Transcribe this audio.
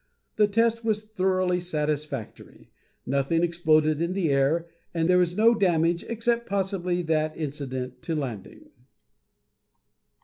The test was thoroughly satisfactory, nothing exploded in the air, and there was no damage except possibly that incidental to landing."